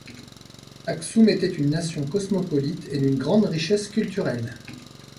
Aksoum était une nation cosmopolite et d'une grande richesse culturelle.